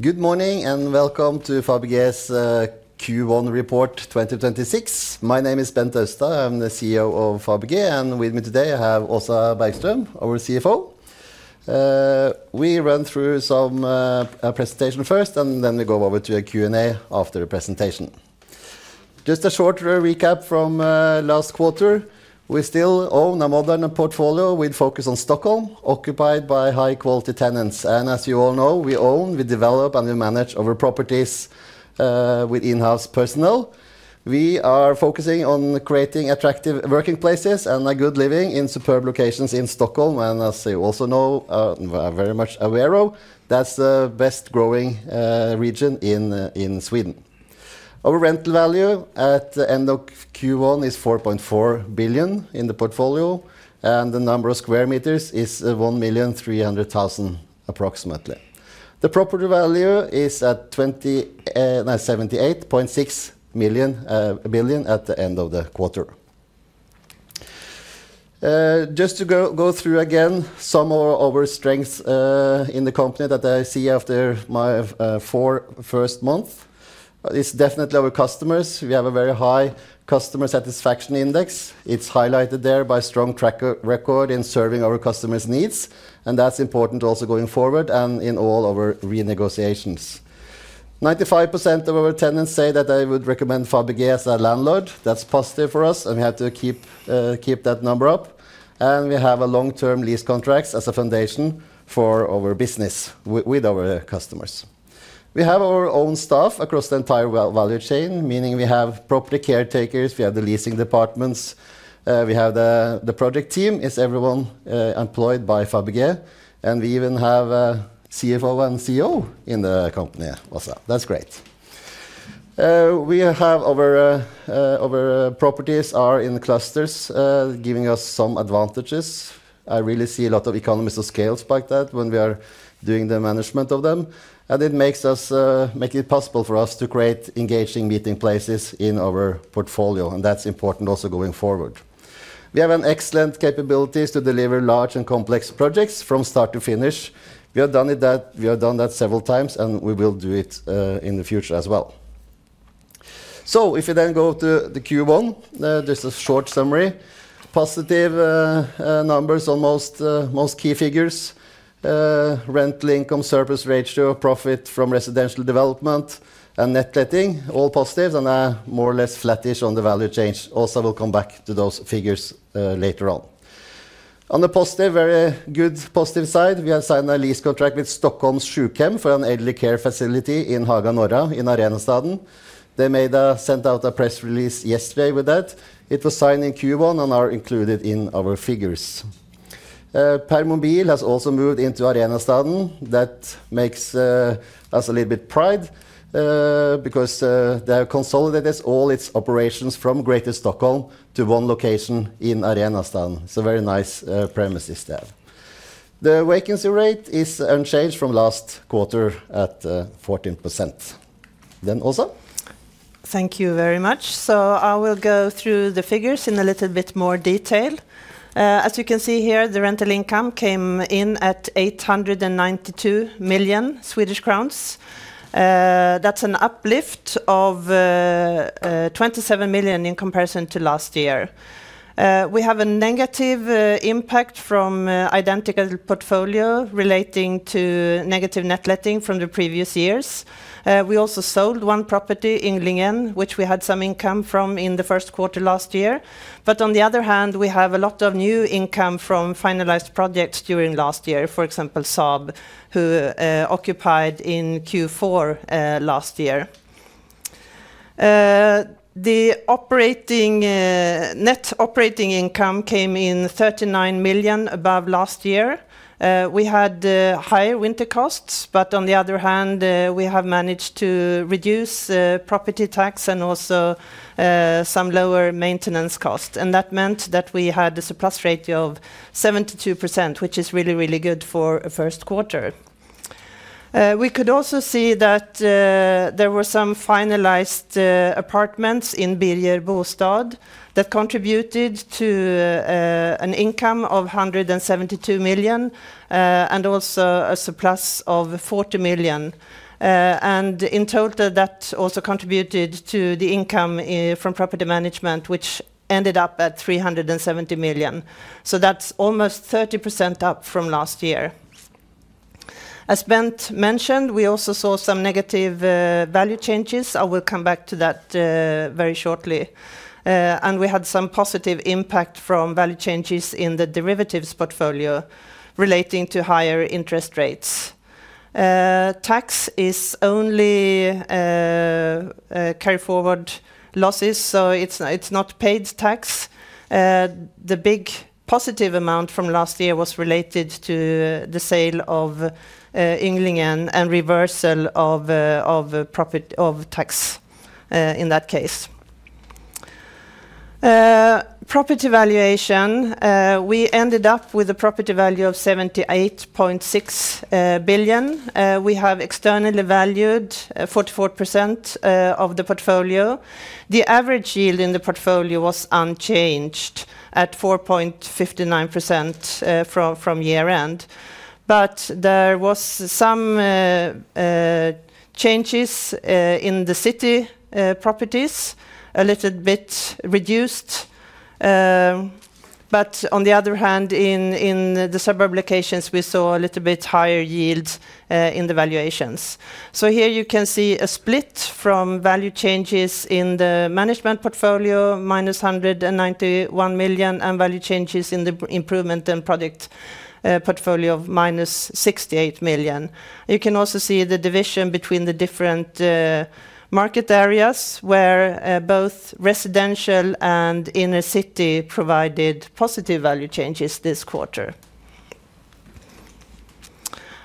Good morning, and welcome to Fabege's Q1 Report 2026. My name is Bent Oustad. I'm the CEO of Fabege, and with me today I have Åsa Bergström, our CFO. We run through some presentation first, and then we go over to a Q&A after the presentation. Just a short recap from last quarter. We still own a modern portfolio with focus on Stockholm, occupied by high-quality tenants. As you all know, we own, we develop, and we manage our properties, with in-house personnel. We are focusing on creating attractive working places and a good living in superb locations in Stockholm. As you also know, very much aware of, that's the best growing region in Sweden. Our rental value at the end of Q1 is 4.4 billion in the portfolio, and the number of square meters is 1,300,000 sq m approximately. The property value is at 20... 78.6 billion at the end of the quarter. Just to go through again some of our strengths in the company that I see after my first four months. It's definitely our customers. We have a very high customer satisfaction index. It's highlighted there by strong track record in serving our customers' needs, and that's important also going forward and in all our renegotiations. 95% of our tenants say that they would recommend Fabege as a landlord. That's positive for us, and we have to keep that number up. We have long-term lease contracts as a foundation for our business with our customers. We have our own staff across the entire value chain, meaning we have property caretakers, we have the leasing departments, we have the project team, is everyone employed by Fabege, and we even have a CFO and CEO in the company also. That's great. Our properties are in clusters, giving us some advantages. I really see a lot of economies of scales like that when we are doing the management of them. It make it possible for us to create engaging meeting places in our portfolio, and that's important also going forward. We have an excellent capabilities to deliver large and complex projects from start to finish. We have done that several times, and we will do it, in the future as well. If you then go to the Q1, just a short summary. Positive numbers, almost most key figures. Rental income, surplus ratio, profit from residential development and net letting, all positives, and are more or less flattish on the value change. Also, we'll come back to those figures later on. On the positive, very good positive side. We have signed a lease contract with Stockholms Sjukhem for an elderly care facility in Haga Norra in Arenastaden. They may have sent out a press release yesterday with that. It was signed in Q1 and are included in our figures. Permobil has also moved into Arenastaden. That makes us a little bit proud, because they have consolidated all its operations from Greater Stockholm to one location in Arenastaden. It's a very nice premises there. The vacancy rate is unchanged from last quarter at 14%. Then Åsa. Thank you very much. I will go through the figures in a little bit more detail. As you can see here, the rental income came in at 892 million Swedish crowns. That's an uplift of 27 million in comparison to last year. We have a negative impact from identical portfolio relating to negative net letting from the previous years. We also sold one property, Ynglingen, which we had some income from in the first quarter last year. On the other hand, we have a lot of new income from finalized projects during last year. For example, Saab, who occupied in Q4 last year. The net operating income came in 39 million above last year. We had higher winter costs, but on the other hand, we have managed to reduce property tax and also some lower maintenance cost. That meant that we had a surplus ratio of 72%, which is really, really good for a first quarter. We could also see that there were some finalized apartments in Birger Bostad that contributed to an income of 172 million, and also a surplus of 40 million. In total, that also contributed to the income from property management, which ended up at 370 million. That's almost 30% up from last year. As Bent mentioned, we also saw some negative value changes. I will come back to that very shortly. We had some positive impact from value changes in the derivatives portfolio relating to higher interest rates. Tax is only carry forward losses, so it's not paid tax. The big positive amount from last year was related to the sale of Ynglingen and reversal of tax in that case. Property valuation. We ended up with a property value of 78.6 billion. We have externally valued 44% of the portfolio. The average yield in the portfolio was unchanged at 4.59% from year-end. There was some changes in the city properties, a little bit reduced. On the other hand, in the suburb locations, we saw a little bit higher yields in the valuations. Here you can see a split from value changes in the management portfolio, -191 million, and value changes in the improvement and project portfolio of -68 million. You can also see the division between the different market areas where both residential and inner city provided positive value changes this quarter.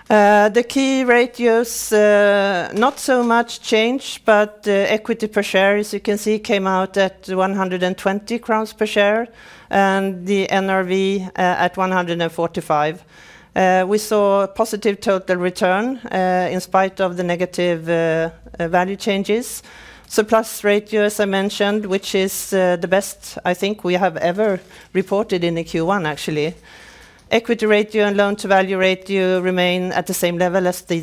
The key ratios not so much change, but equity per share, as you can see, came out at 120 crowns per share and the NRV at 145. We saw positive total return in spite of the negative value changes. Surplus ratio, as I mentioned, which is the best I think we have ever reported in the Q1, actually. Equity ratio and loan-to-value ratio remain at the same level as the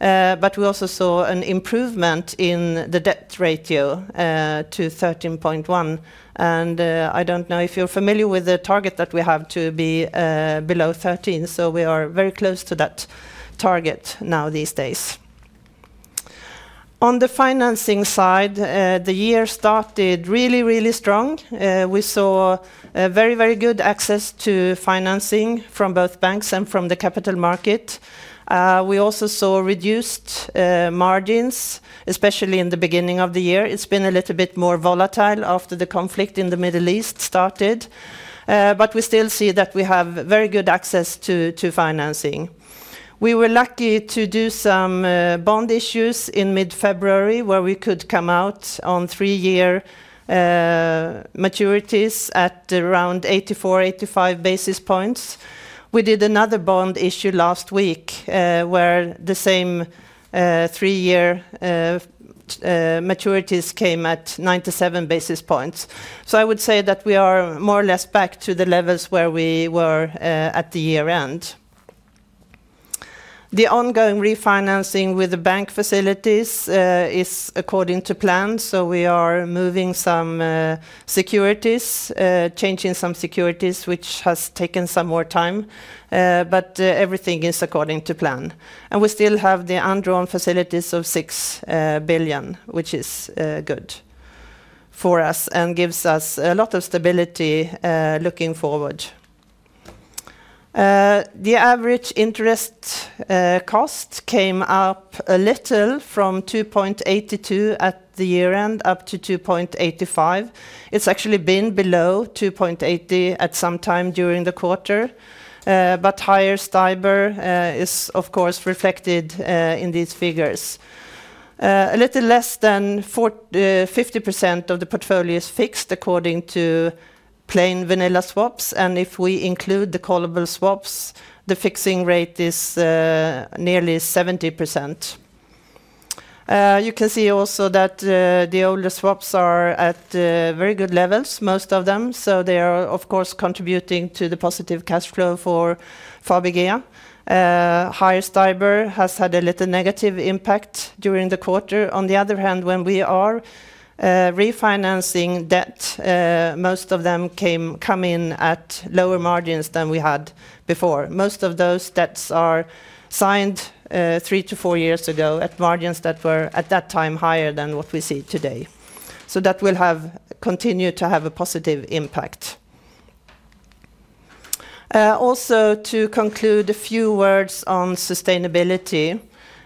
year-end. We also saw an improvement in the debt ratio to 13.1. I don't know if you're familiar with the target that we have to be below 13. We are very close to that target now these days. On the financing side, the year started really, really strong. We saw very good access to financing from both banks and from the capital market. We also saw reduced margins, especially in the beginning of the year. It's been a little bit more volatile after the conflict in the Middle East started. We still see that we have very good access to financing. We were lucky to do some bond issues in mid-February where we could come out on three-year maturities at around 84-85 basis points. We did another bond issue last week, where the same three-year maturities came at 97 basis points. I would say that we are more or less back to the levels where we were at the year-end. The ongoing refinancing with the bank facilities is according to plan, so we are moving some securities, changing some securities, which has taken some more time. Everything is according to plan. We still have the undrawn facilities of 6 billion, which is good for us and gives us a lot of stability looking forward. The average interest cost came up a little from 2.82% at the year-end, up to 2.85%. It's actually been below 2.80% at some time during the quarter. Higher STIBOR is of course reflected in these figures. A little less than 50% of the portfolio is fixed according to plain vanilla swaps. If we include the callable swaps, the fixing rate is nearly 70%. You can see also that the older swaps are at very good levels, most of them. They are, of course, contributing to the positive cash flow for Fabege. Higher STIBOR has had a little negative impact during the quarter. On the other hand, when we are refinancing debt, most of them come in at lower margins than we had before. Most of those debts are signed three to four years ago at margins that were, at that time, higher than what we see today. That will continue to have a positive impact. Also, to conclude, a few words on sustainability.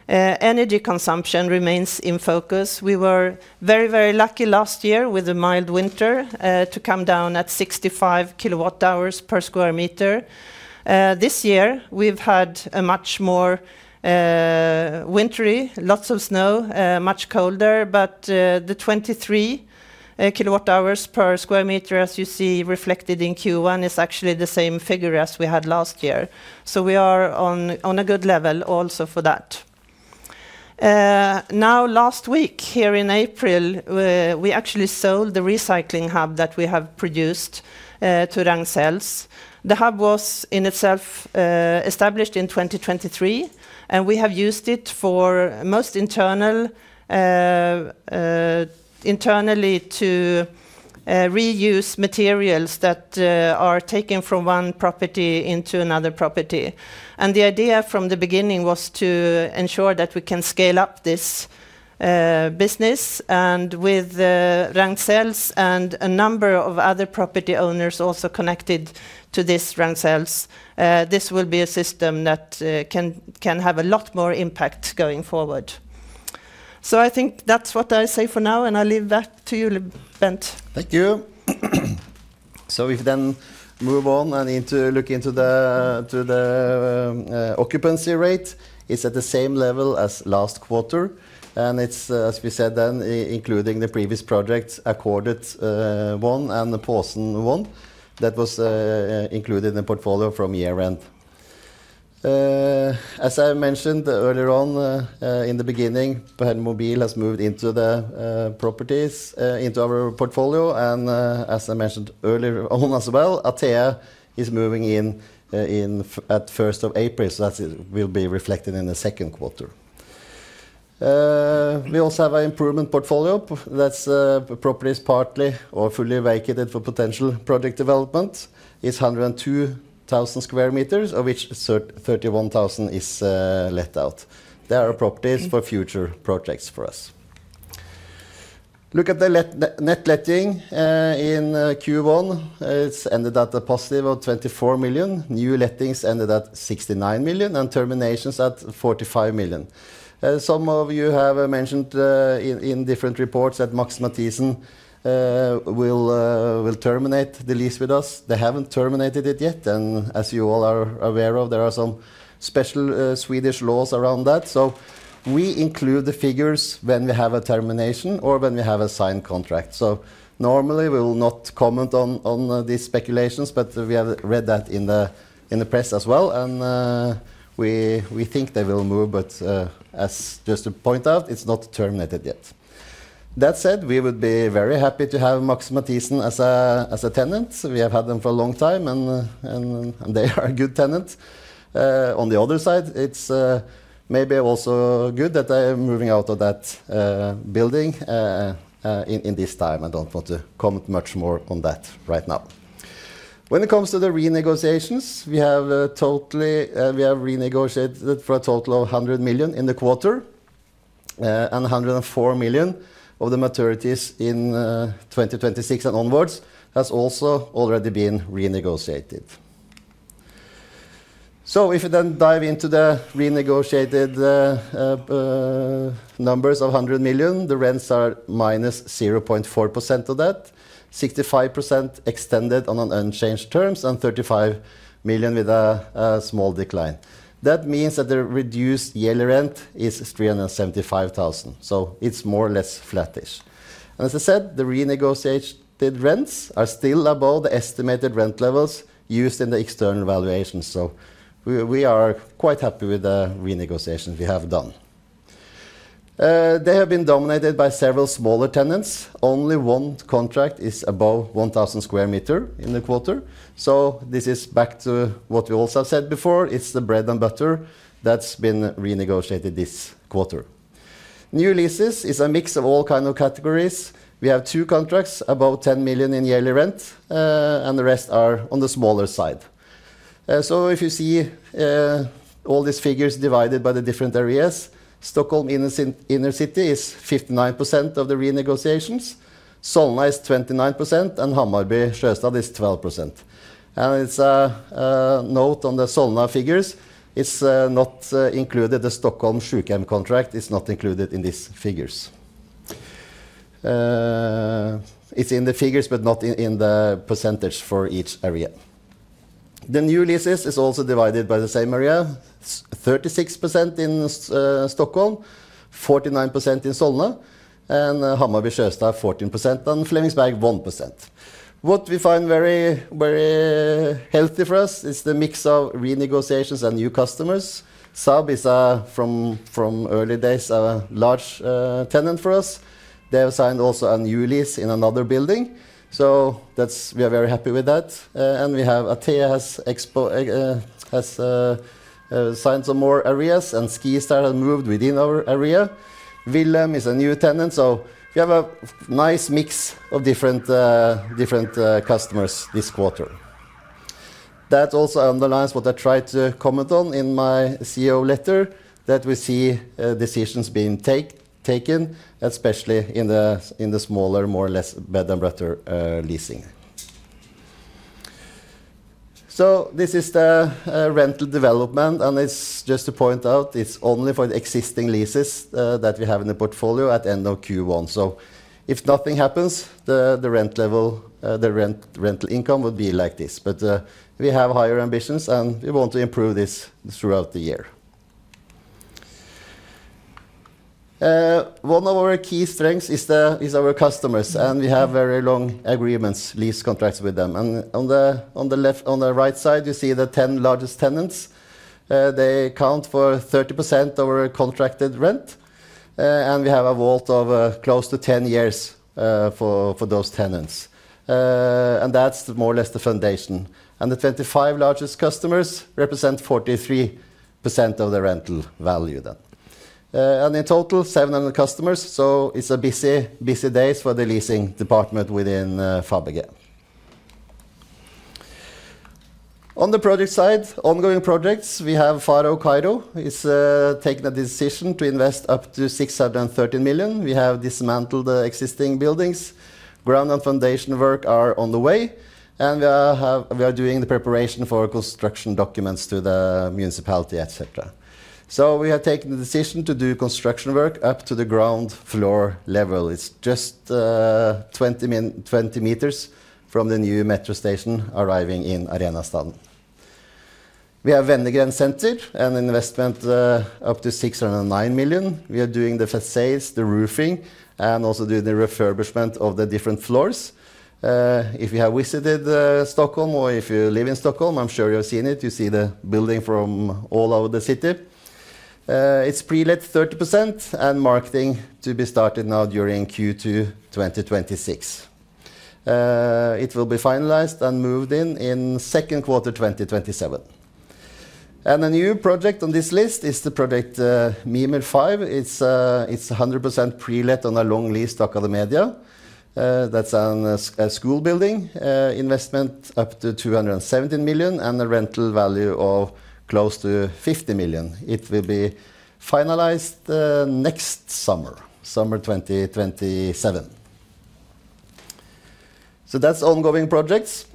Energy consumption remains in focus. We were very lucky last year with a mild winter to come down at 65 kWh/sq m. This year we've had a much more wintry, lots of snow, much colder. The 23 kWh/sq m, as you see reflected in Q1, is actually the same figure as we had last year. We are on a good level also for that. Now last week, here in April, we actually sold the recycling hub that we have produced to Ragn-Sells. The hub was in itself established in 2023, and we have used it for most internally to reuse materials that are taken from one property into another property. The idea from the beginning was to ensure that we can scale up this business. With Ragn-Sells and a number of other property owners also connected to this Ragn-Sells, this will be a system that can have a lot more impact going forward. I think that's what I say for now, and I leave that to you, Bent. Thank you. Then move on and look into the occupancy rate. It's at the same level as last quarter, and it's, as we said then, including the previous projects, Ackordet 1 and the Påsen 1. That was included in the portfolio from year-end. As I mentioned earlier on in the beginning, Permobil has moved into the properties in our portfolio. As I mentioned earlier on as well, Atea is moving in at 1st of April. That will be reflected in the second quarter. We also have an improvement portfolio that's properties partly or fully vacated for potential project development. It's 102,000 sq m, of which 31,000 sq m is let out. They are properties for future projects for us. Look at the net letting in Q1. It's ended at a positive of 24 million. New lettings ended at 69 million and terminations at 45 million. Some of you have mentioned in different reports that Max Matthiessen will terminate the lease with us. They haven't terminated it yet, and as you all are aware of, there are some special Swedish laws around that. We include the figures when we have a termination or when we have a signed contract. Normally we will not comment on these speculations, but we have read that in the press as well. We think they will move. Just to point out, it's not terminated yet. That said, we would be very happy to have Max Matthiessen as a tenant. We have had them for a long time, and they are a good tenant. On the other side, it's maybe also good that they are moving out of that building in this time. I don't want to comment much more on that right now. When it comes to the renegotiations, we have renegotiated for a total of 100 million in the quarter. 104 million of the maturities in 2026 and onwards has also already been renegotiated. If you then dive into the renegotiated numbers of 100 million, the rents are minus 0.4% of that, 65% extended on unchanged terms and 35 million with a small decline. That means that the reduced yearly rent is 375,000. It's more or less flattish. As I said, the renegotiated rents are still above the estimated rent levels used in the external valuations. We are quite happy with the renegotiations we have done. They have been dominated by several smaller tenants. Only one contract is above 1,000 sq m in the quarter. This is back to what we also said before. It's the bread and butter that's been renegotiated this quarter. New leases is a mix of all kind of categories. We have two contracts above 10 million in yearly rent. The rest are on the smaller side. If you see all these figures divided by the different areas. Stockholm inner city is 59% of the renegotiations, Solna is 29%, and Hammarby Sjöstad is 12%. It's a note on the Solna figures. The Stockholms Sjukhem contract is not included in these figures. It's in the figures, but not in the percentage for each area. The new leases is also divided by the same area. 36% in Stockholm, 49% in Solna, and Hammarby Sjöstad 14%, and Flemingsberg 1%. What we find very healthy for us is the mix of renegotiations and new customers. Saab is from early days a large tenant for us. They have signed also a new lease in another building. We are very happy with that. We have Atea has signed some more areas and SkiStar has moved within our area. Willem is a new tenant. We have a nice mix of different customers this quarter. That also underlines what I tried to comment on in my CEO letter, that we see decisions being taken, especially in the smaller, more or less bread-and-butter leasing. This is the rental development, and just to point out, it's only for the existing leases that we have in the portfolio at end of Q1. If nothing happens, the rent level, the rental income would be like this. We have higher ambitions, and we want to improve this throughout the year. One of our key strengths is our customers, and we have very long agreements, lease contracts with them. On the right side, you see the 10 largest tenants. They account for 30% of our contracted rent. We have a WAULT of close to 10 years for those tenants. That's more or less the foundation. The 25 largest customers represent 43% of the rental value then. In total, 700 customers. It's busy days for the leasing department within Fabege. On the project side, ongoing projects, we have Farao Kairo. We've taken a decision to invest up to 630 million. We have dismantled the existing buildings. Ground and foundation work are on the way. We are doing the preparation for construction documents to the municipality, et cetera. We have taken the decision to do construction work up to the ground floor level. It's just 20 m from the new metro station arriving in Arenastaden. We have Wenner-Gren Center, an investment up to 609 million. We are doing the facades, the roofing, and also doing the refurbishment of the different floors. If you have visited Stockholm or if you live in Stockholm, I'm sure you've seen it. You see the building from all over the city. It's pre-let 30% and marketing to be started now during Q2 2026. It will be finalized and moved in in second quarter 2027. A new project on this list is the project Mimer 5. It's 100% pre-let on a long lease Stockholms media. That's a school building. Investment up to 217 million and a rental value of close to 50 million. It will be finalized next summer 2027. That's ongoing projects.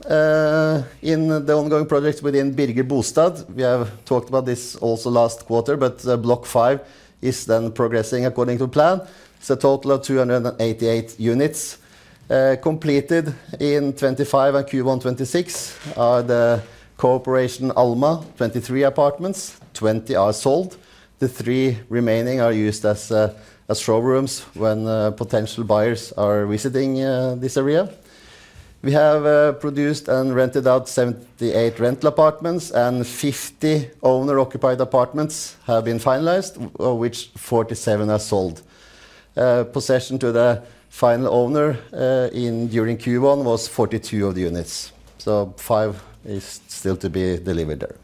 In the ongoing project within Birger Bostad, we have talked about this also last quarter, but block five is then progressing according to plan. It's a total of 288 units. Completed in 2025 and Q1 2026 are the corporation Alma, 23 apartments, 20 are sold. The three remaining are used as showrooms when potential buyers are visiting this area. We have produced and rented out 78 rental apartments, and 50 owner-occupied apartments have been finalized, of which 47 are sold. Possession to the final owner during Q1 was 42 of the units. Five is still to be delivered there.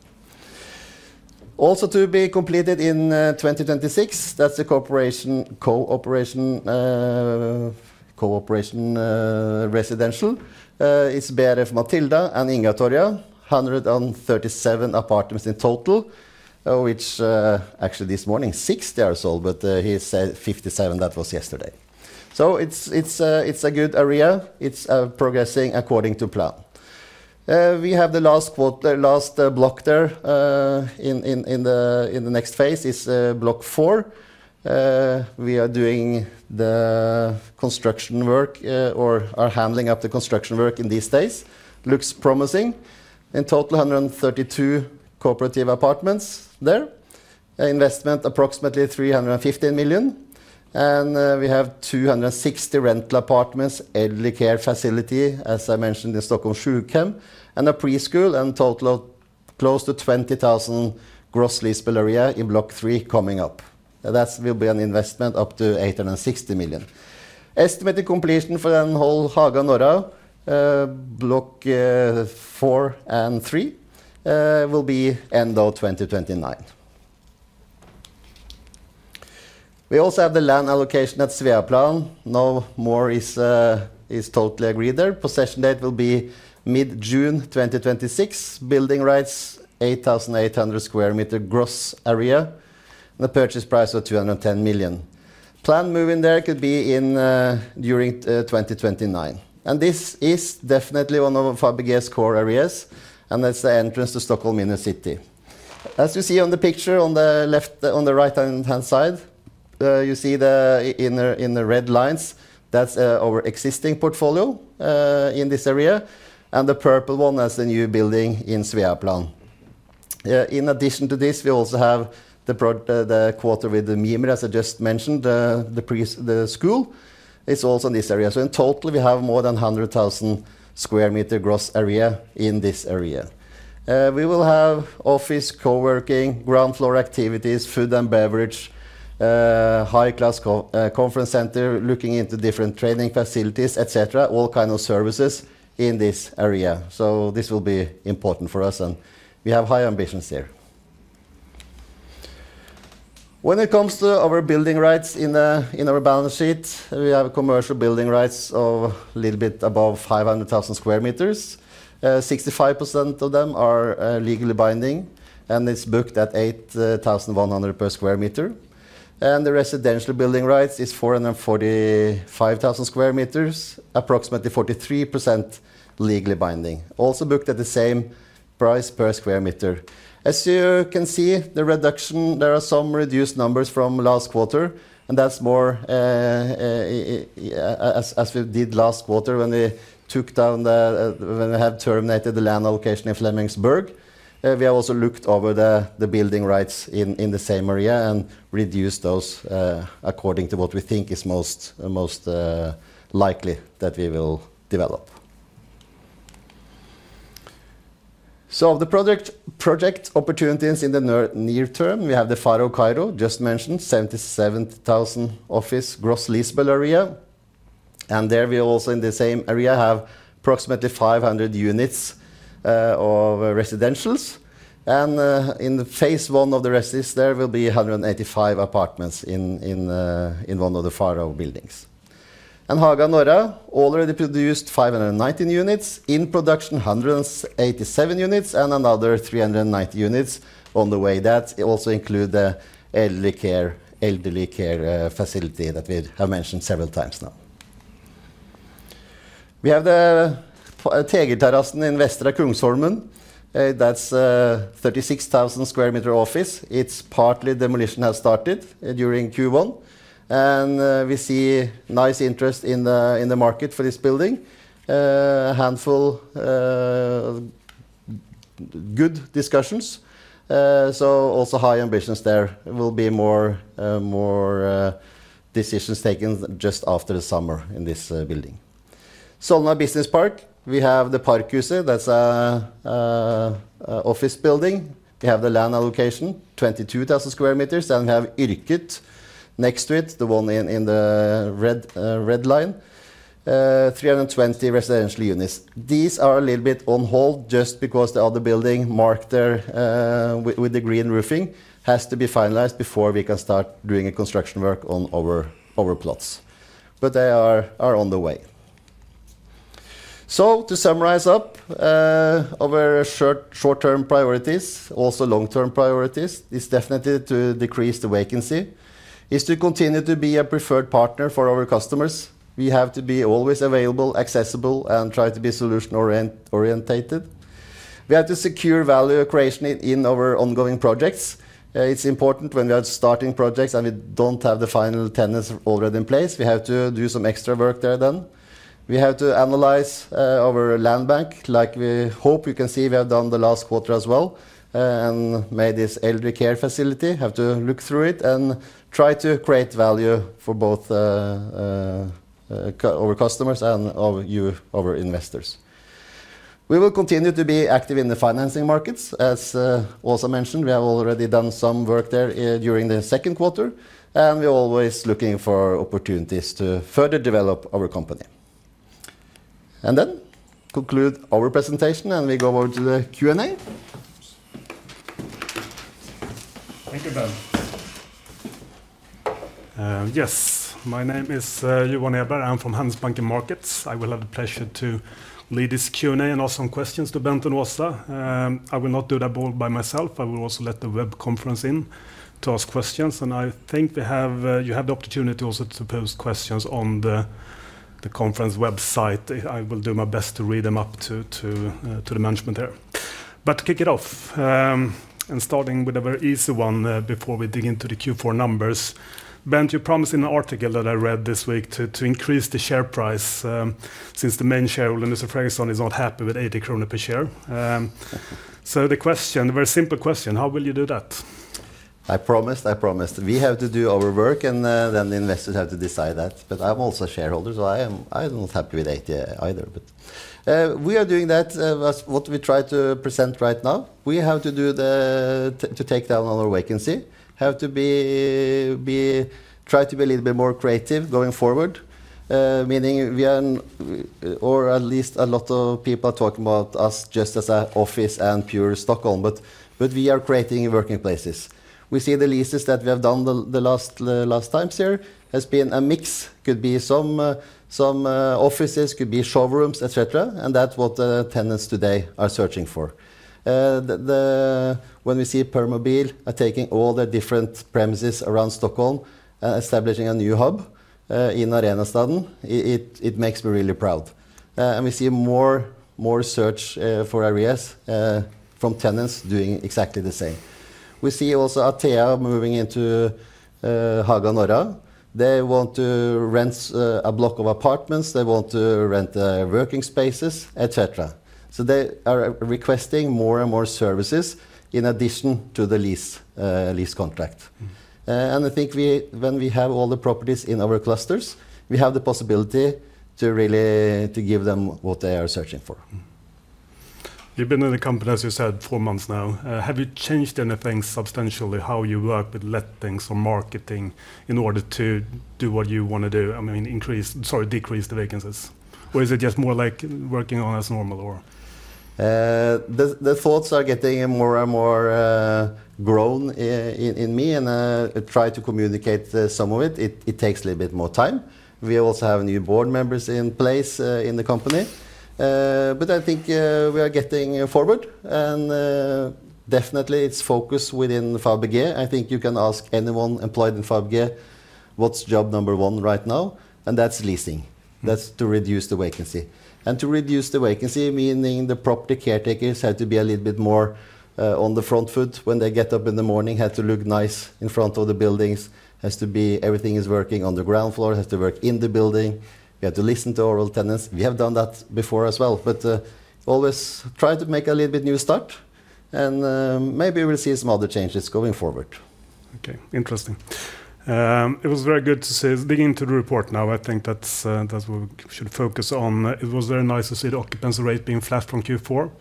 Also to be completed in 2026, that's the corporation residential. It's Brf Mathilda and Ingetora, 137 apartments in total. Which actually this morning, 60 are sold, but he said 57, that was yesterday. It's a good area. It's progressing according to plan. We have the last block there in the next phase, block four. We are ramping up the construction work these days. Looks promising. In total, 132 cooperative apartments there. Investment approximately 315 million. We have 260 rental apartments, elderly care facility, as I mentioned, in Stockholms Sjukhem, and a preschool, and total of close to 20,000 gross leasable area in block three coming up. That will be an investment up to 860 million. Estimated completion for the whole Haga Norra, block four and three, will be end of 2029. We also have the land allocation at Sveaplan. Nothing more is totally agreed there. Possession date will be mid-June 2026. Building rights 8,800 sq m gross area. The purchase price of 210 million. Planned move-in there could be during 2029. This is definitely one of Fabege's core areas, and that's the entrance to Stockholm inner city. As you see on the picture on the right-hand side, you see in the red lines, that's our existing portfolio in this area, and the purple one, that's the new building in Sveaplan. In addition to this, we also have the quarter with the Mimer, as I just mentioned, the school. It's also in this area. In total, we have more than 100,000 sq m gross area in this area. We will have office coworking, ground floor activities, food and beverage, high class conference center, looking into different training facilities, et cetera. All kind of services in this area. This will be important for us, and we have high ambitions there. When it comes to our building rights in our balance sheet, we have commercial building rights of a little bit above 500,000 sq m. 65% of them are legally binding, and it's booked at 8,100 per sq m. The residential building rights is 445,000 sq m, approximately 43% legally binding. Also booked at the same price per sq m. As you can see, the reduction, there are some reduced numbers from last quarter, and that's more or less as we did last quarter when we had terminated the land allocation in Flemingsberg. We have also looked over the building rights in the same area and reduced those, according to what we think is most likely that we will develop. The project opportunities in the near term. We have the Farao Kairo, just mentioned, 77,000 office gross leasable area. There we also, in the same area, have approximately 500 units of residentials. In the phase one of the residence there will be 185 apartments in one of the Farao buildings. In Haga Norra, already produced 519 units. In production, 187 units and another 390 units on the way. That also include the elderly care facility that we have mentioned several times now. We have the Tegelterrassen in Västra Kungsholmen. That's 36,000 sq m office. It's partial demolition has started during Q1. We see nice interest in the market for this building. A handful good discussions. Also high ambitions there. There will be more decisions taken just after the summer in this building. Solna Business Park, we have the Parkhuset. That's an office building. We have the land allocation, 22,000 sq m. Then we have Yrket, next to it, the one in the red line. 320 residential units. These are a little bit on hold just because the other building marked there with the green roofing has to be finalized before we can start doing construction work on our plots. They are on the way. To summarize up, our short-term priorities, also long-term priorities, is definitely to decrease the vacancy. Is to continue to be a preferred partner for our customers. We have to be always available, accessible, and try to be solution-oriented. We have to secure value creation in our ongoing projects. It's important when we are starting projects, and we don't have the final tenants already in place. We have to do some extra work there then. We have to analyze our land bank. Like we hope you can see we have done the last quarter as well, and made this elderly care facility. Have to look through it and try to create value for both our customers and you, our investors. We will continue to be active in the financing markets. As also mentioned, we have already done some work there during the second quarter, and we're always looking for opportunities to further develop our company. Conclude our presentation, and we go over to the Q&A. Thank you, Bent. Yes. My name is Johan Edberg. I'm from Handelsbanken Markets. I will have the pleasure to lead this Q&A and ask some questions to Bent and Åsa. I will not do that all by myself. I will also let the web conference in to ask questions, and I think you have the opportunity also to pose questions on the conference website. I will do my best to read them up to the management there. To kick it off and starting with a very easy one before we dig into the Q4 numbers, Bent, you promised in an article that I read this week to increase the share price, since the main shareholder, Mr. Fredriksen, is not happy with 80 kronor per share. The question, a very simple question, how will you do that? I promised. We have to do our work, and then the investors have to decide that. I'm also a shareholder, so I am not happy with SEK 80 either, but. We are doing that, as what we try to present right now. We have to take down all our vacancy, have to try to be a little bit more creative going forward. Meaning we are, or at least a lot of people are talking about us just as an office and pure Stockholm, but we are creating working places. We see the leases that we have done the last times here, has been a mix. Could be some offices, could be showrooms, et cetera, and that's what the tenants today are searching for. When we see Permobil are taking all their different premises around Stockholm, establishing a new hub in Arenastaden. It makes me really proud. We see more search for areas from tenants doing exactly the same. We see also Atea moving into Haga Norra. They want to rent a block of apartments. They want to rent working spaces, et cetera. They are requesting more and more services in addition to the lease contract. Mm-hmm. I think when we have all the properties in our clusters, we have the possibility to really give them what they are searching for. You've been in the company, as you said, four months now. Have you changed anything substantially, how you work with lettings or marketing in order to do what you want to do? I mean, decrease the vacancies. Or is it just more like working on as normal or? The thoughts are getting more and more grown in me, and I try to communicate some of it. It takes a little bit more time. We also have new board members in place in the company. I think we are getting forward. Definitely it's focus within Fabege. I think you can ask anyone employed in Fabege, what's job number one right now? That's leasing. Mm-hmm. That's to reduce the vacancy. To reduce the vacancy, meaning the property caretakers have to be a little bit more on the front foot when they get up in the morning. Have to look nice in front of the buildings. Everything is working on the ground floor. Has to work in the building. We have to listen to all tenants. We have done that before as well. Always try to make a little bit new start, and maybe we'll see some other changes going forward. Okay. Interesting. It was very good to see. Digging into the report now, I think that's what we should focus on. It was very nice to see the occupancy rate being flat from Q4.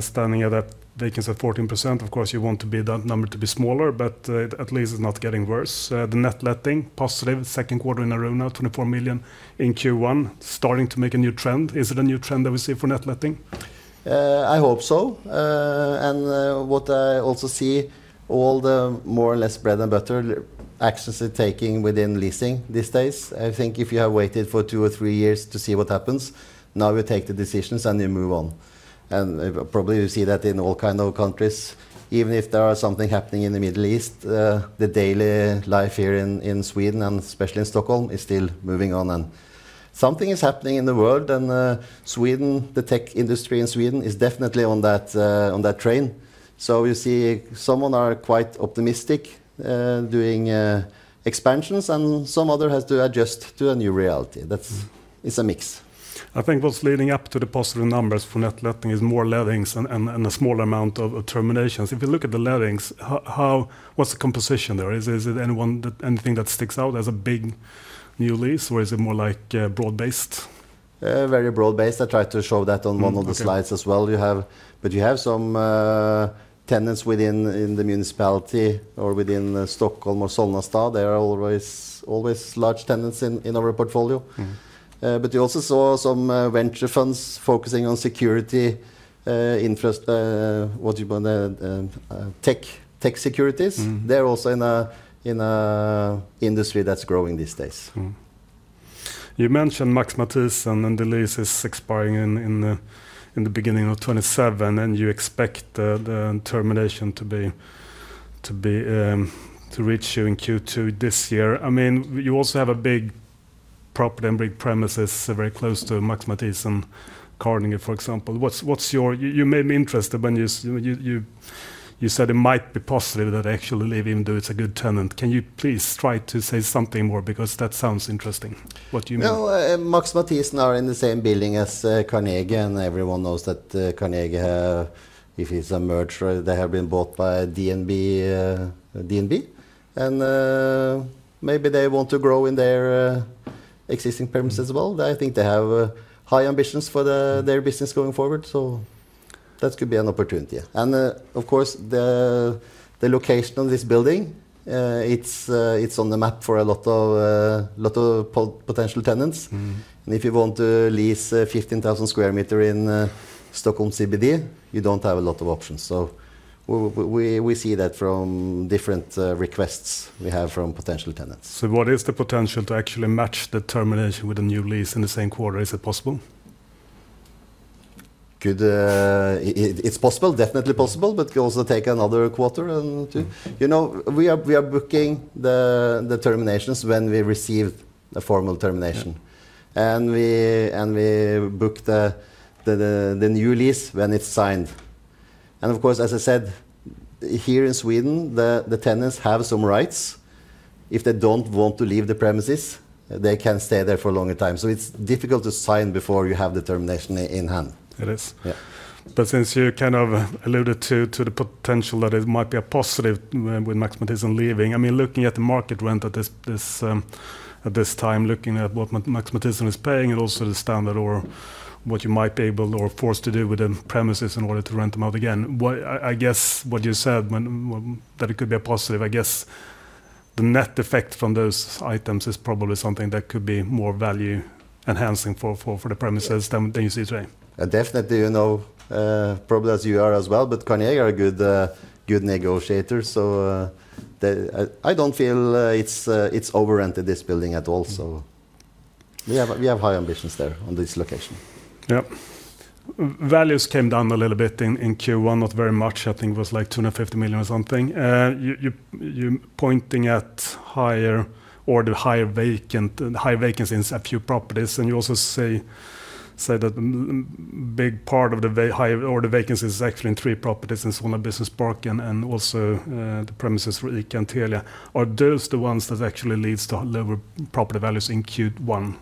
Standing at that vacancy at 14%. Of course, you want that number to be smaller, but at least it's not getting worse. The net letting positive, second quarter in a row now. 24 million in Q1. Starting to make a new trend. Is it a new trend that we see for net letting? I hope so. What I also see, all the more or less bread and butter actions are taking within leasing these days. I think if you have waited for two or three years to see what happens, now we take the decisions, and we move on. Probably we see that in all kind of countries. Even if there are something happening in the Middle East, the daily life here in Sweden and especially in Stockholm is still moving on and. Something is happening in the world. Sweden, the tech industry in Sweden is definitely on that train. You see someone are quite optimistic, doing expansions, and some other has to adjust to a new reality. It's a mix. I think what's leading up to the positive numbers for net letting is more lettings and a small amount of terminations. If you look at the lettings, what's the composition there? Is it anything that sticks out as a big new lease, or is it more broad-based? Very broad-based. I tried to show that on one of the slides as well. You have some tenants within the municipality or within Stockholm or Solna stad. They are always large tenants in our portfolio. Mm-hmm. You also saw some venture funds focusing on security, interest, tech securities. Mm-hmm. They're also in an industry that's growing these days. You mentioned Max Matthiessen, and the lease is expiring in the beginning of 2027, and you expect the termination to reach you in Q2 this year. You also have a big property and big premises very close to Max Matthiessen, Carnegie, for example. You made me interested when you said it might be positive that actually leaving, though it's a good tenant. Can you please try to say something more because that sounds interesting? What do you mean? Well, Max Matthiessen are in the same building as Carnegie, and everyone knows that Carnegie, if it's a merger, they have been bought by DNB. Maybe they want to grow in their existing premises as well. I think they have high ambitions for their business going forward. That could be an opportunity. Of course, the location of this building, it's on the map for a lot of potential tenants. Mm-hmm. If you want to lease 15,000 sq m in Stockholm CBD, you don't have a lot of options. We see that from different requests we have from potential tenants. What is the potential to actually match the termination with a new lease in the same quarter? Is it possible? It's definitely possible, but could also take another quarter or two. We are booking the terminations when we receive a formal termination. Yeah. We book the new lease when it's signed. Of course, as I said, here in Sweden, the tenants have some rights. If they don't want to leave the premises, they can stay there for a longer time. It's difficult to sign before you have the termination in hand. It is. Yeah. Since you kind of alluded to the potential that it might be a positive with Max Matthiessen leaving. Looking at the market rent at this time, looking at what Max Matthiessen is paying and also the standard or what you might be able or forced to do with the premises in order to rent them out again. I guess what you said, that it could be a positive. I guess the net effect from those items is probably something that could be more value enhancing for the premises than you see today. Definitely. Probably as you are as well, but Carnegie are a good negotiators. I don't feel it's over-rented, this building, at all. We have high ambitions there on this location. Yep. Values came down a little bit in Q1, not very much. I think it was like 250 million or something. You're pointing at the high vacancy in a few properties, and you also say that big part of the high vacancy is actually in three properties in Solna Business Park and also the premises for Eken Telia. Are those the ones that actually leads to lower property values in Q1?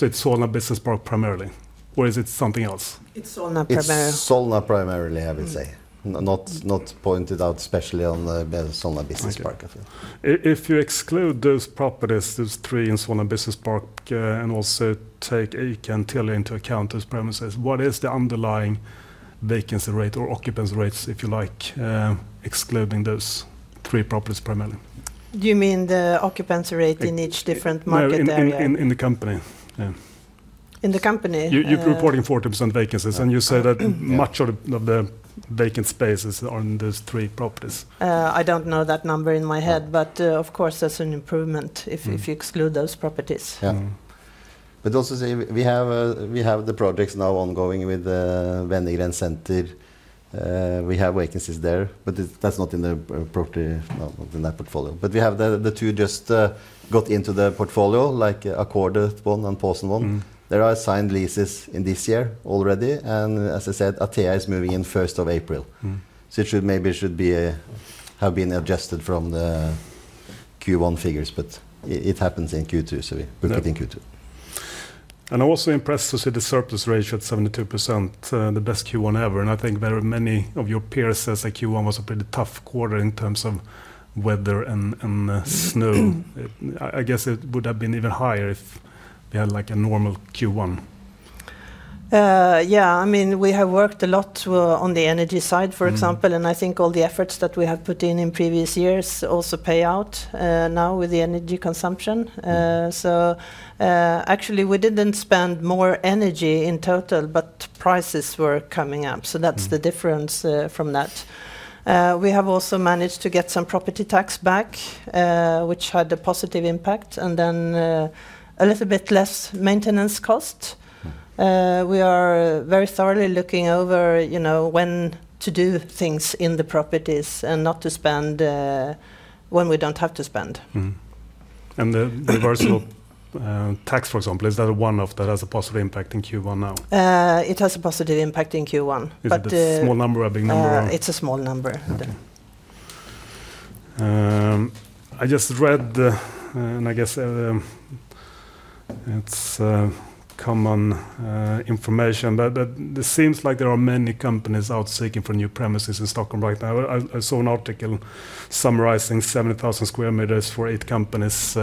It's Solna Business Park primarily, or is it something else? It's Solna primarily. It's Solna primarily, I would say. Not pointed out, especially on the Solna Business Park. If you exclude those properties, those three in Solna Business Park, and also take Eken Telia into account, those premises, what is the underlying vacancy rate or occupancy rates, if you like, excluding those three properties primarily? Do you mean the occupancy rate in each different market area? No, in the company. Yeah. In the company? You're reporting 40% vacancies, and you say that much of the vacant space is on those three properties. I don't know that number in my head, but of course, that's an improvement if you exclude those properties. Mm-hmm. Yeah. Also say, we have the projects now ongoing with the Wenner-Gren Center. We have vacancies there, but that's not in that portfolio. We have the two just got into the portfolio, like Ackordet 1 and Påsen 1. Mm-hmm. There are signed leases in this year already, and as I said, Atea is moving in 1st of April. Mm-hmm. It maybe should have been adjusted from the Q1 figures, but it happens in Q2, so we book it in Q2. I'm also impressed to see the surplus ratio at 72%, the best Q1 ever. I think very many of your peers say Q1 was a pretty tough quarter in terms of weather and snow. I guess it would have been even higher if we had a normal Q1. Yeah. We have worked a lot on the energy side, for example. Mm-hmm. I think all the efforts that we have put in in previous years also pay out now with the energy consumption. Mm-hmm. Actually, we didn't spend more energy in total, but prices were coming up. Mm-hmm. That's the difference from that. We have also managed to get some property tax back, which had a positive impact, and then a little bit less maintenance cost. Mm-hmm. We are very thoroughly looking over when to do things in the properties and not to spend when we don't have to spend. Mm-hmm. The reversal tax, for example, is that a one-off that has a positive impact in Q1 now? It has a positive impact in Q1. Is it a small number, a big number? It's a small number. I just read, and I guess it's common information, but it seems like there are many companies out seeking for new premises in Stockholm right now. I saw an article summarizing 70,000 sq m for eight companies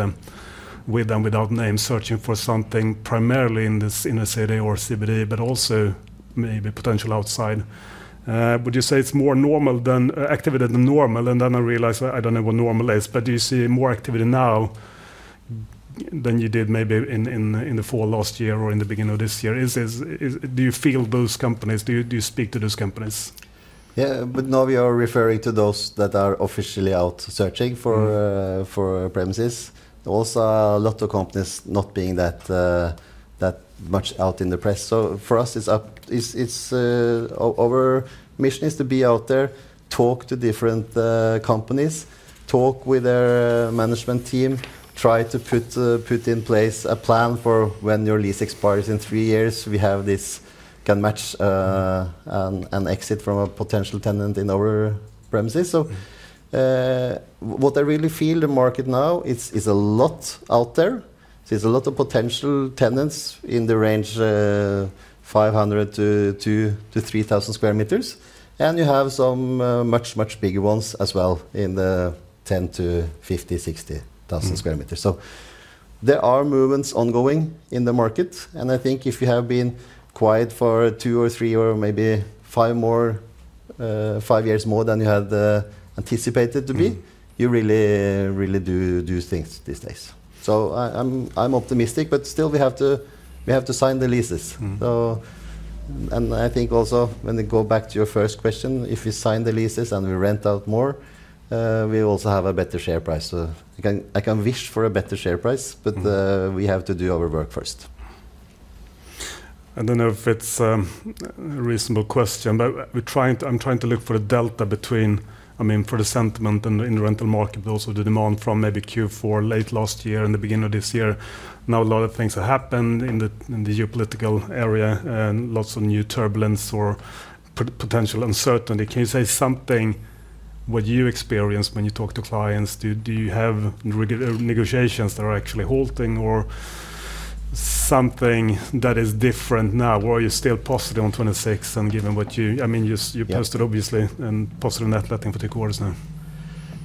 with and without names, searching for something primarily in the inner city or CBD, but also maybe potential outside. Would you say it's more activity than normal? I realize I don't know what normal is, but do you see more activity now than you did maybe in the fall last year or in the beginning of this year? Do you feel those companies? Do you speak to those companies? Yeah. Now we are referring to those that are officially out searching for premises. Also, a lot of companies not being that much out in the press. For us, our mission is to be out there, talk to different companies. Talk with their management team. Try to put in place a plan for when your lease expires in three years, we have this, can match an exit from a potential tenant in our premises. What I really feel the market now is a lot out there. There's a lot of potential tenants in the range 500 sq m-3,000 sq m. You have some much, much bigger ones as well in the 10,000 sq m-50,000 sq m, 60,000 sq m. Mm-hmm. There are movements ongoing in the market, and I think if you have been quiet for two or three or maybe five years more than you had anticipated to be, you really do things these days. I'm optimistic, but still, we have to sign the leases. Mm-hmm. I think also when we go back to your first question, if we sign the leases and we rent out more, we also have a better share price. I can wish for a better share price, but we have to do our work first. I don't know if it's a reasonable question, but I'm trying to look for the delta between, for the sentiment in the rental market, but also the demand from maybe Q4 late last year and the beginning of this year. Now a lot of things have happened in the geopolitical area, and lots of new turbulence or potential uncertainty. Can you say something, what you experience when you talk to clients? Do you have negotiations that are actually halting or something that is different now, or are you still positive on 2026? Given what you- Yeah. You've posted an obviously positive net letting for the quarters now.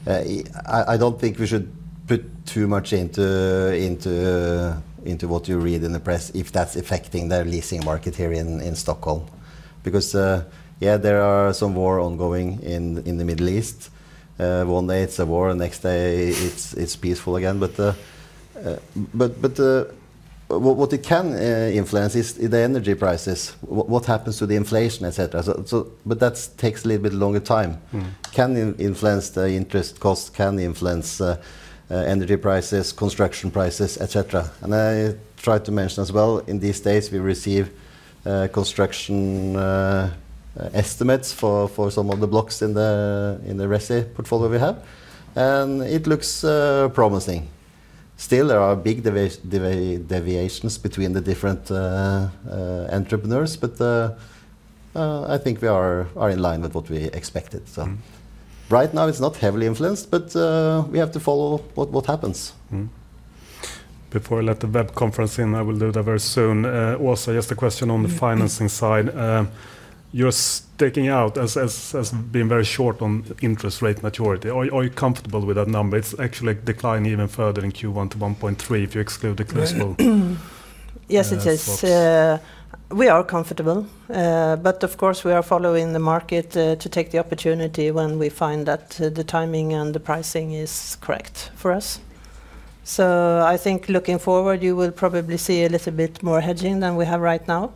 I don't think we should put too much into what you read in the press if that's affecting the leasing market here in Stockholm. Yeah, there's a war ongoing in the Middle East. One day it's a war, the next day it's peaceful again. What it can influence is the energy prices, what happens to the inflation, et cetera. That takes a little bit longer time. Mm-hmm. Can influence the interest cost, can influence energy prices, construction prices, et cetera. I tried to mention as well, in these days, we receive construction estimates for some of the blocks in the resi portfolio we have. It looks promising. Still, there are big deviations between the different entrepreneurs. I think we are in line with what we expected. Mm-hmm. Right now it's not heavily influenced, but we have to follow what happens. Before I let the web conference in, I will do that very soon. Also, just a question on the financing side. You're sticking out as being very short on interest rate maturity. Are you comfortable with that number? It's actually declined even further in Q1 to 1.3 if you exclude the crystal. Yes, it is. Yeah. We are comfortable. Of course, we are following the market to take the opportunity when we find that the timing and the pricing is correct for us. I think looking forward, you will probably see a little bit more hedging than we have right now.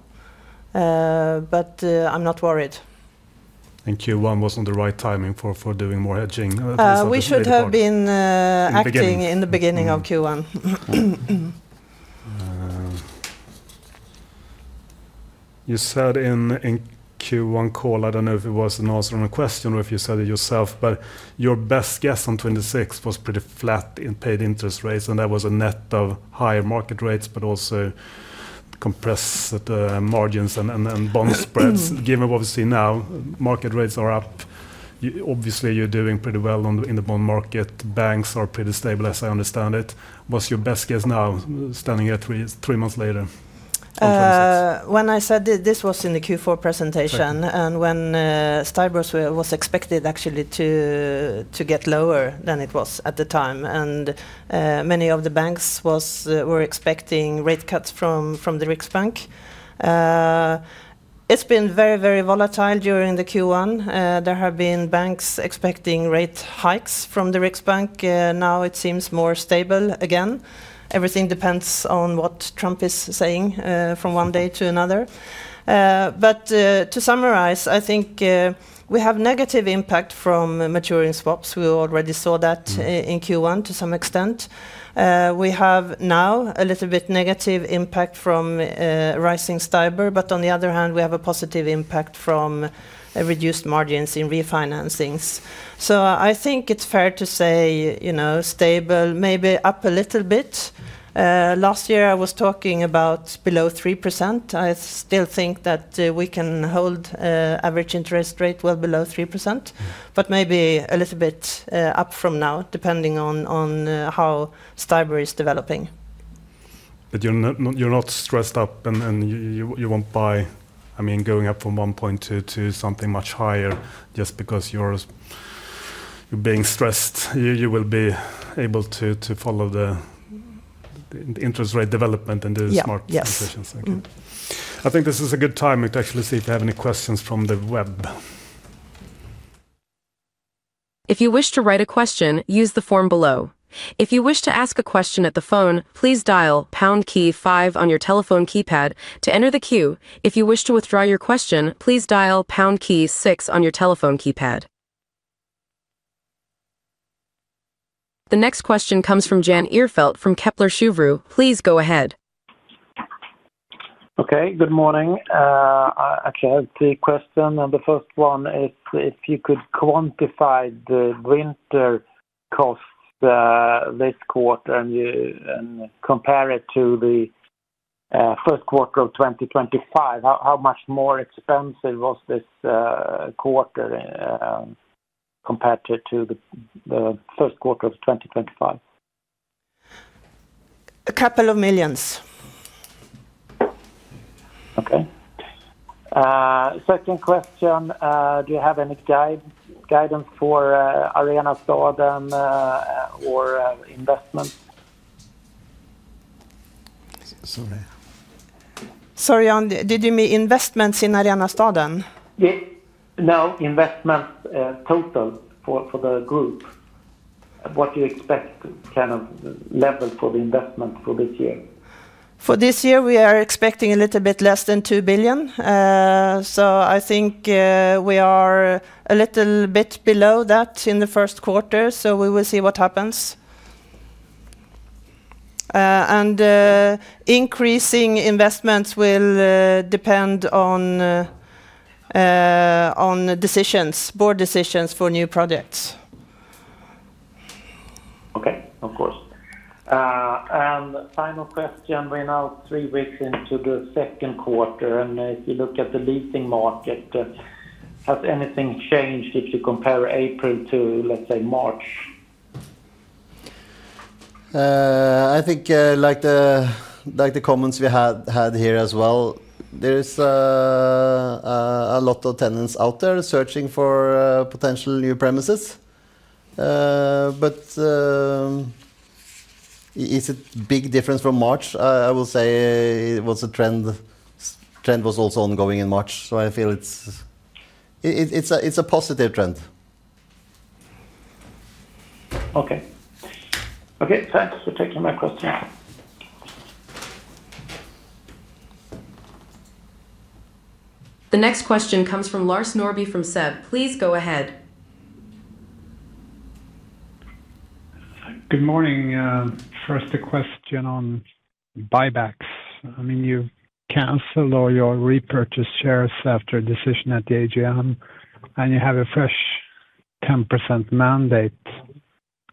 I'm not worried. Q1 was on the right timing for doing more hedging at least on this report. We should have been- In the beginning. acting in the beginning of Q1. You said in Q1 call, I don't know if it was an answer on a question or if you said it yourself, but your best guess on 2026 was pretty flat in paid interest rates, and that was a net of higher market rates but also compressed margins and bond spreads. Given what we see now, market rates are up. Obviously, you're doing pretty well in the bond market. Banks are pretty stable as I understand it. What's your best guess now, standing here three months later? This was in the Q4 presentation. Correct. When STIBOR was expected actually to get lower than it was at the time. Many of the banks were expecting rate cuts from the Riksbank. It's been very, very volatile during the Q1. There have been banks expecting rate hikes from the Riksbank. Now it seems more stable again. Everything depends on what Trump is saying from one day to another. To summarize, I think we have negative impact from maturing swaps. We already saw that- Mm-hmm in Q1 to some extent. We have now a little bit negative impact from rising STIBOR, but on the other hand, we have a positive impact from reduced margins in refinancings. I think it's fair to say stable, maybe up a little bit. Last year, I was talking about below 3%. I still think that we can hold average interest rate well below 3%, but maybe a little bit up from now, depending on how STIBOR is developing. You're not stressed up, and you won't buy, going up from one point to something much higher just because you're being stressed. You will be able to follow the interest rate development and do smart decisions. Yes. Thank you. I think this is a good time to actually see if we have any questions from the web. If you wish to write a question, use the form below. If you wish to ask a question at the phone, please dial pound key five on your telephone keypad to enter the queue. If you wish to withdraw your question, please dial pound key six on your telephone keypad. The next question comes from Jan Ihrfelt from Kepler Cheuvreux. Please go ahead. Good morning. I actually have three question, and the first one is if you could quantify the winter costs, this quarter and compare it to the first quarter of 2025, how much more expensive was this quarter compared to the first quarter of 2025? A couple of millions. Okay. Second question. Do you have any guidance for Arenastaden or investment? Sorry. Sorry, Jan, did you mean investments in Arenastaden? No, investment total for the group. What do you expect kind of level for the investment for this year? For this year, we are expecting a little bit less than 2 billion. I think we are a little bit below that in the first quarter, so we will see what happens. Increasing investments will depend on board decisions for new projects. Okay. Of course. Final question. We're now three weeks into the second quarter, and if you look at the leasing market, has anything changed if you compare April to, let's say, March? I think like the comments we had here as well. There is a lot of tenants out there searching for potential new premises. Is it big difference from March? I will say it was a trend. Trend was also ongoing in March, so I feel it's a positive trend. Okay. Thanks for taking my questions. The next question comes from Lars Norrby from SEB. Please go ahead. Good morning. First a question on buybacks. You cancel or you repurchase shares after a decision at the AGM, and you have a fresh 10% mandate.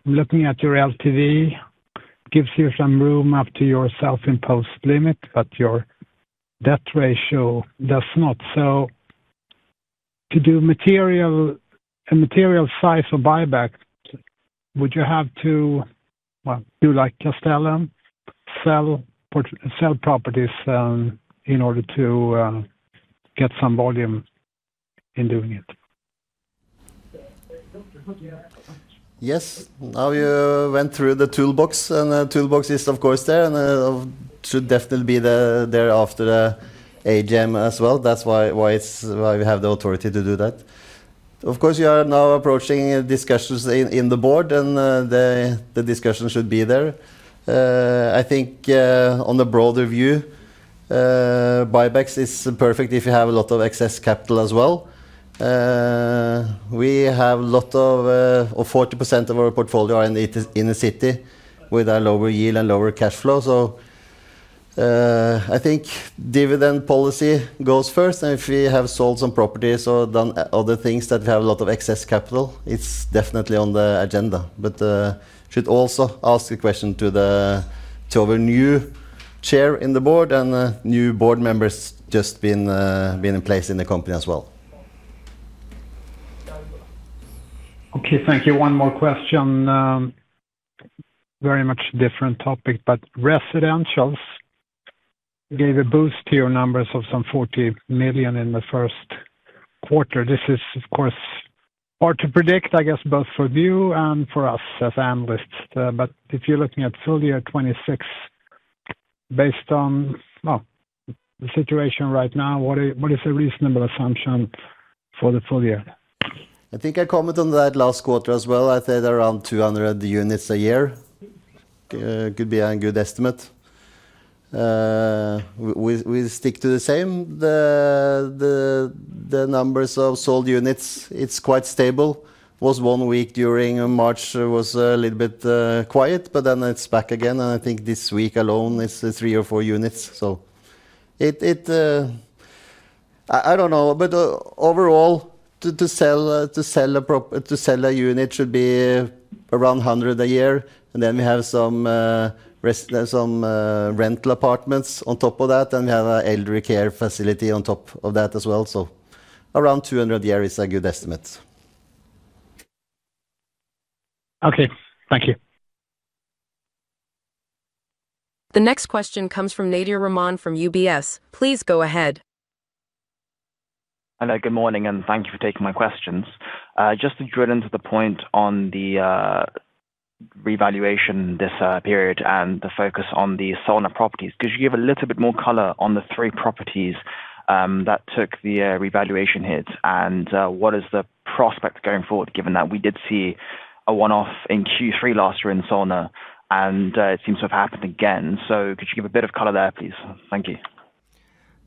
Looking at your LTV gives you some room up to your self-imposed limit, but your debt ratio does not. To do a material size of buyback, would you have to, well, do like Castellum, sell properties in order to get some volume in doing it? Yes. Now you went through the toolbox, and the toolbox is of course there and should definitely be there after the AGM as well. That's why we have the authority to do that. Of course, we are now approaching discussions in the board, and the discussion should be there. I think on the broader view, buybacks is perfect if you have a lot of excess capital as well. We have 40% of our portfolio in the city with a lower yield and lower cash flow. I think dividend policy goes first, and if we have sold some properties or done other things that we have a lot of excess capital, it's definitely on the agenda. We should also ask a question to the new Chair in the Board, and new Board Members just been in place in the company as well. Okay, thank you. One more question. Very much different topic, but residentials gave a boost to your numbers of some 40 million in the first quarter. This is, of course, hard to predict, I guess, both for you and for us as analysts. If you're looking at full year 2026, based on the situation right now, what is a reasonable assumption for the full year? I think I commented on that last quarter as well. I said around 200 units a year could be a good estimate. We stick to the same. The number of sold units, it's quite stable. There was one week during March that was a little bit quiet, but then it's back again, and I think this week alone is three or four units. I don't know. Overall, the number of units sold should be around 100 a year, and then we have some rental apartments on top of that, and we have an elderly care facility on top of that as well. Around 200 a year is a good estimate. Okay, thank you. The next question comes from Nadir Rahman from UBS. Please go ahead. Hello. Good morning, and thank you for taking my questions. Just to drill into the point on the revaluation this period and the focus on the Solna properties, could you give a little bit more color on the three properties that took the revaluation hit, and what is the prospect going forward, given that we did see a one-off in Q3 last year in Solna, and it seems to have happened again. Could you give a bit of color there, please? Thank you.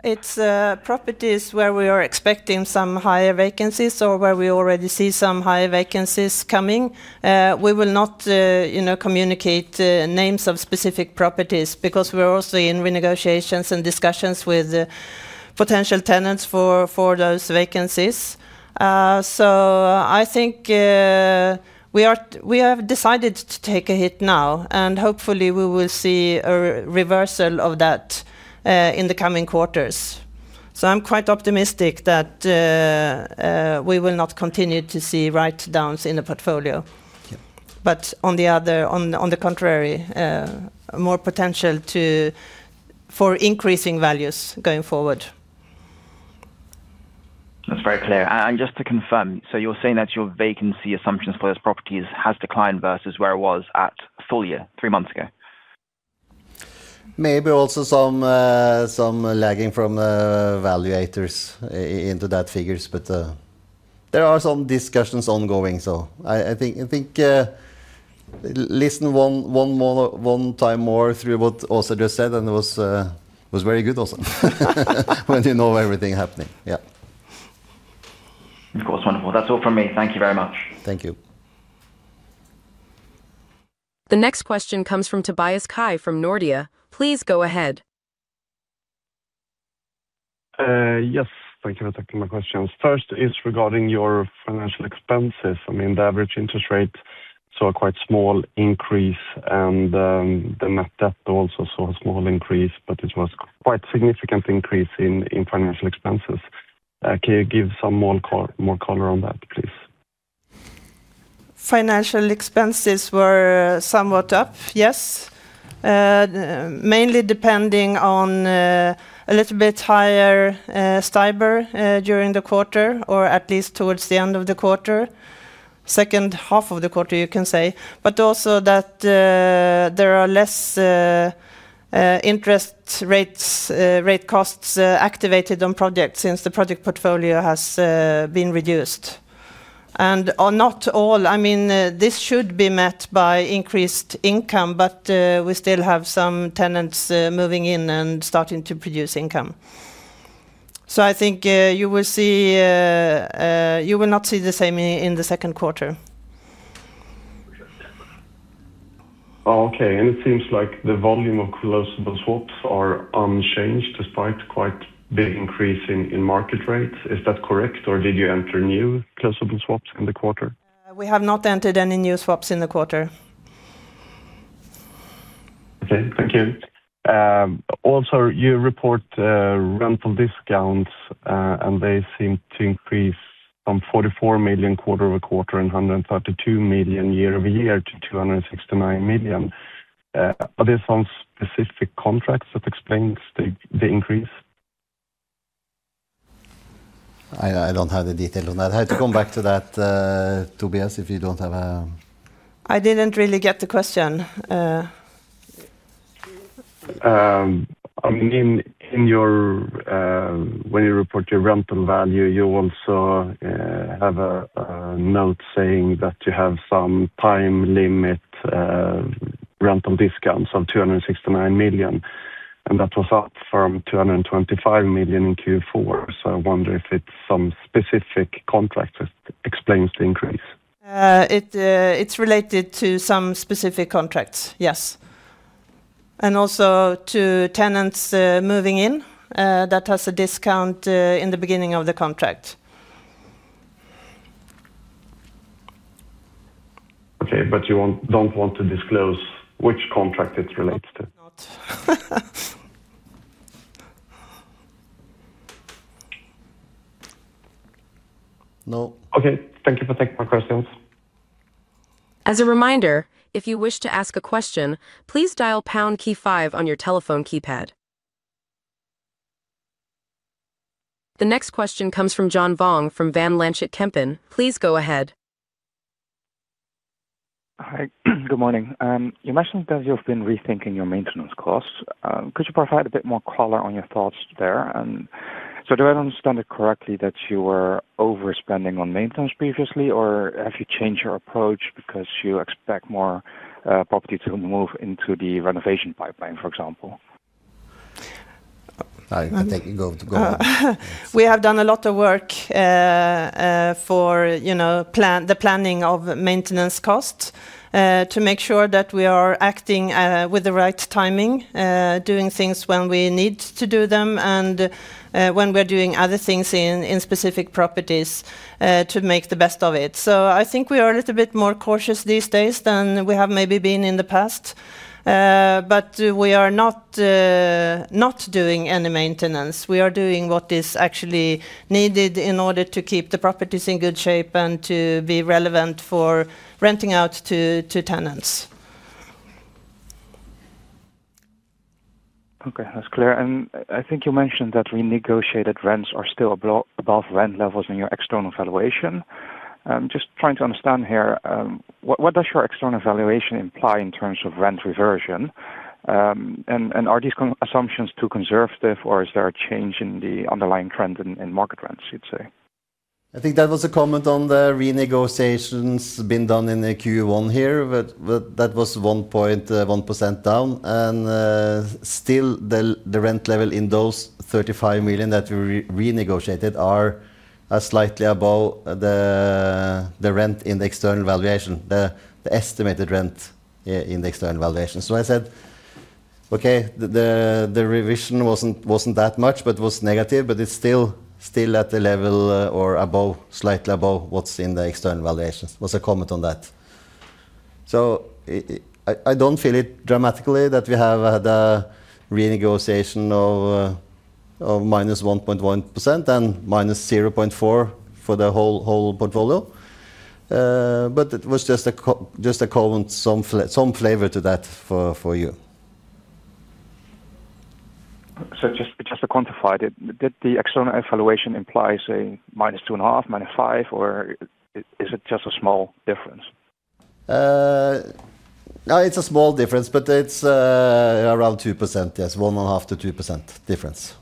It's properties where we are expecting some higher vacancies or where we already see some higher vacancies coming. We will not communicate names of specific properties because we're also in renegotiations and discussions with potential tenants for those vacancies. I think we have decided to take a hit now, and hopefully we will see a reversal of that in the coming quarters. I'm quite optimistic that we will not continue to see writedowns in the portfolio. Yep. On the contrary, more potential for increasing values going forward. That's very clear. Just to confirm, so you're saying that your vacancy assumptions for those properties has declined versus where it was at full year, three months ago? Maybe also some lagging from valuators into that figures. There are some discussions ongoing. I think listen one time more through what Åsa just said, and it was very good, Åsa. When you know everything happening. Yeah. Of course. Wonderful. That's all from me. Thank you very much. Thank you. The next question comes from Tobias Kaj from Nordea. Please go ahead. Yes. Thank you for taking my questions. First is regarding your financial expenses. The average interest rate saw a quite small increase, and the net debt also saw a small increase, but it was quite significant increase in financial expenses. Can you give some more color on that, please? Financial expenses were somewhat up, yes. Mainly depending on a little bit higher STIBOR during the quarter, or at least towards the end of the quarter. Second half of the quarter, you can say. Also that there are less interest rate costs activated on projects since the project portfolio has been reduced, not on all. This should be met by increased income, but we still have some tenants moving in and starting to produce income. I think you will not see the same in the second quarter. Okay. It seems like the volume of callable swaps are unchanged despite quite big increase in market rates. Is that correct, or did you enter new callable swaps in the quarter? We have not entered any new swaps in the quarter. Okay. Thank you. Also, you report rental discounts, and they seem to increase from 44 million quarter-over-quarter and 132 million year-over-year to 269 million. Are there some specific contracts that explains the increase? I don't have the detail on that. I have to come back to that, Tobias, if you don't have a. I didn't really get the question. When you report your rental value, you also have a note saying that you have some time limit rental discounts of 269 million, and that was up from 225 million in Q4. I wonder if it's some specific contract that explains the increase. It's related to some specific contracts, yes. Also to tenants moving in that has a discount in the beginning of the contract. Okay. You don't want to disclose which contract it's related to? No. No. Okay. Thank you for taking my questions. As a reminder, if you wish to ask a question, please dial pound key five on your telephone keypad. The next question comes from John Vuong from Van Lanschot Kempen. Please go ahead. Hi, good morning. You mentioned that you've been rethinking your maintenance costs. Could you provide a bit more color on your thoughts there? Do I understand it correctly that you were overspending on maintenance previously, or have you changed your approach because you expect more property to move into the renovation pipeline, for example? I think go. We have done a lot of work for the planning of maintenance costs to make sure that we are acting with the right timing, doing things when we need to do them, and when we're doing other things in specific properties to make the best of it. I think we are a little bit more cautious these days than we have maybe been in the past. We are not doing any maintenance. We are doing what is actually needed in order to keep the properties in good shape and to be relevant for renting out to tenants. Okay, that's clear. I think you mentioned that renegotiated rents are still above rent levels in your external valuation. I'm just trying to understand here, what does your external valuation imply in terms of rent reversion? Are these assumptions too conservative, or is there a change in the underlying trend in market rents, you'd say? I think that was a comment on the renegotiations being done in the Q1 here. That was 1.1% down, and still the rent level in those 35 million that we renegotiated are slightly above the rent in the external valuation, the estimated rent in the external valuation. I said, "Okay, the revision wasn't that much, but it was negative. It's still at the level or above, slightly above what's in the external valuations." That was a comment on that. I don't feel it dramatically that we have had a renegotiation of -1.1% and -0.4% for the whole portfolio. It was just to add some flavor to that for you. Just to quantify. Did the external valuation imply, say, -2.5%, -5%, or is it just a small difference? It's a small difference, but it's around 2%. Yes, 1.5%-2% difference.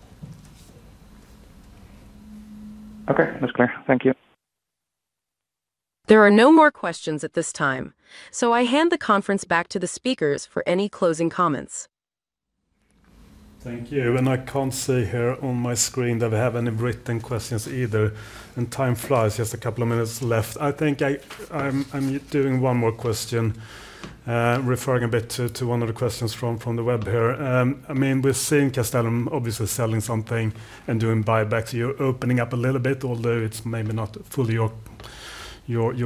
Okay. That's clear. Thank you. There are no more questions at this time. I hand the conference back to the speakers for any closing comments. Thank you. I can't see here on my screen that we have any written questions either. Time flies, just a couple of minutes left. I think I'm doing one more question, referring a bit to one of the questions from the web here. We're seeing Castellum obviously selling something and doing buybacks. You're opening up a little bit, although it's maybe not fully your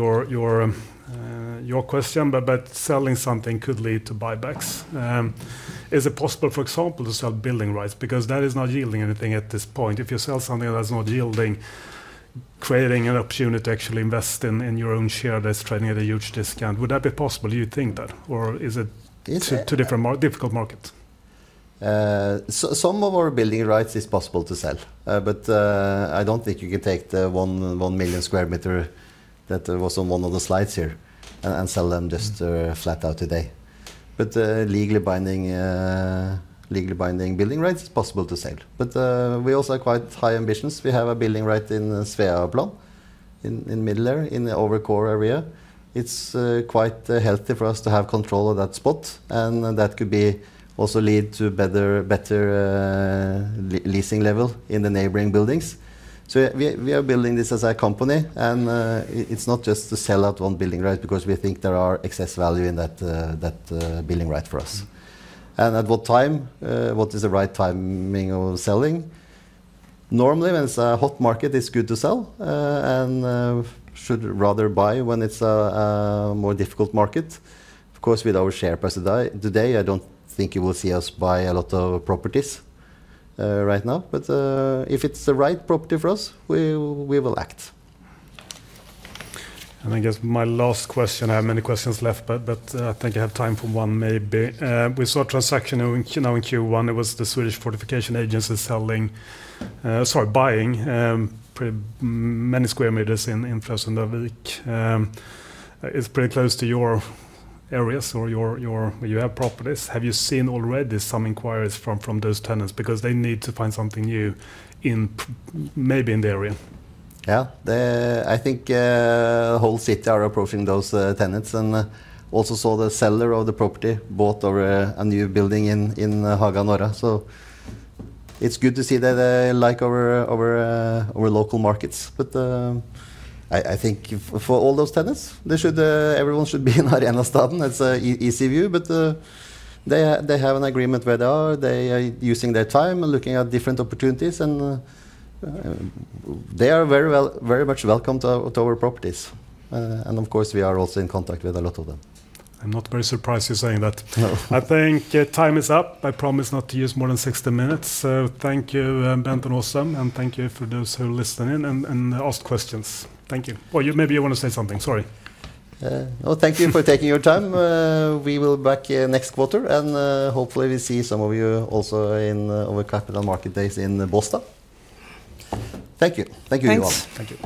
question, but selling something could lead to buybacks. Is it possible, for example, to sell building rights because that is not yielding anything at this point? If you sell something that's not yielding, creating an opportunity to actually invest in your own share that's trading at a huge discount. Would that be possible? Do you think that, or is it two different difficult markets? Some of our building rights is possible to sell. I don't think you can take the 1 million sq m that was on one of the slides here and sell them just flat out today. Legally binding building rights is possible to sell. We also have quite high ambitions. We have a building right in Sveaplan in Middle Air in the Overcore area. It's quite healthy for us to have control of that spot, and that could also lead to better leasing level in the neighboring buildings. We are building this as a company, and it's not just to sell out one building right. Because we think there are excess value in that building right for us. At what time? What is the right timing of selling? Normally, when it's a hot market, it's good to sell, and should rather buy when it's a more difficult market. Of course, with our share price today, I don't think you will see us buy a lot of properties right now. If it's the right property for us, we will act. I guess my last question. I have many questions left, but I think I have time for one, maybe. We saw a transaction in Q1. It was the Swedish Fortifications Agency buying many square meters in Flemingsberg. It's pretty close to your areas or where you have properties. Have you seen already some inquiries from those tenants because they need to find something new maybe in the area? Yeah. I think the whole city are approaching those tenants and also saw the seller of the property bought a new building in Haga Norra. It's good to see that they like our local markets. I think for all those tenants, everyone should be in Arenastaden. It's an easy view, but they have an agreement where they are using their time and looking at different opportunities, and they are very much welcome to our properties. Of course, we are also in contact with a lot of them. I'm not very surprised you're saying that. No. I think time is up. I promise not to use more than 60 minutes. Thank you Bent and Åsa, and thank you for those who listened in and asked questions. Thank you. Maybe you want to say something. Sorry. No. Thank you for taking your time. We will be back next quarter, and hopefully we see some of you also in our capital market days in Bostad. Thank you. Thank you, everyone. Thanks. Thank you.